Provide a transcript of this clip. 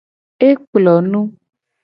E kplo nu.